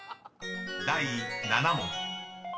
［第７問］